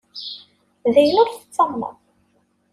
D ayen ur tettamneḍ.